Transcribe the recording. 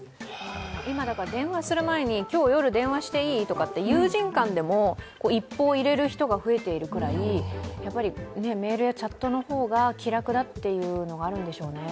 今、電話する前に、今日、夜、電話していい？って、友人間でも一報を入れる人が増えているくらいメールやチャットの方が気楽だというのがあるんでしょうね。